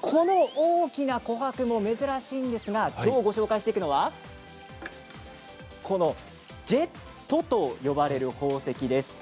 この大きな琥珀も珍しいんですがきょう、ご紹介していくのはこのジェットと呼ばれる宝石です。